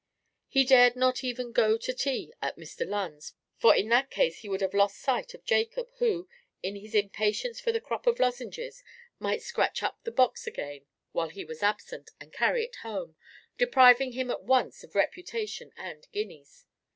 He dared not even go to tea at Mr. Lunn's, for in that case he would have lost sight of Jacob, who, in his impatience for the crop of lozenges, might scratch up the box again while he was absent, and carry it home—depriving him at once of reputation and guineas.